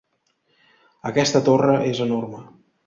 Aquesta torre és enorme!